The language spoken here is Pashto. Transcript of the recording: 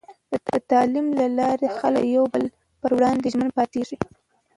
د تعلیم له لارې، خلک د یو بل پر وړاندې ژمن پاتې کېږي.